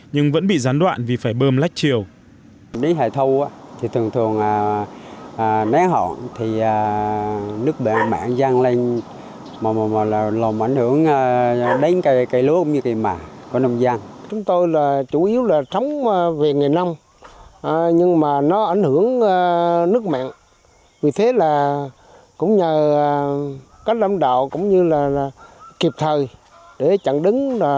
nhưng vẫn bị gián đoạn vì phải bơm lách chiều